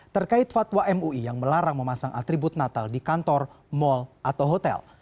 terkait fatwa mui yang melarang memasang atribut natal di kantor mal atau hotel